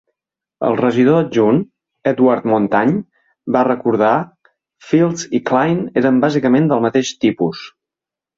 El regidor adjunt, Edward Montagne, va recordar, Fields i Cline eren bàsicament del mateix tipus.